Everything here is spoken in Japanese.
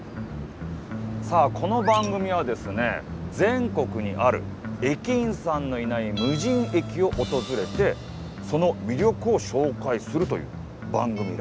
さあこの番組はですね全国にある駅員さんのいない無人駅を訪れてその魅力を紹介するという番組らしいです。